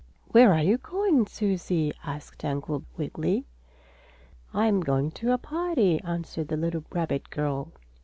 "Where are you going, Susie?" asked Uncle Wiggily. "I am going to a party," answered the little rabbit girl.